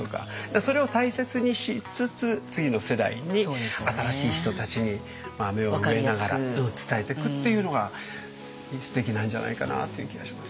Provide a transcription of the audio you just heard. それを大切にしつつ次の世代に新しい人たちに芽を植えながら伝えてくっていうのがすてきなんじゃないかなっていう気がします。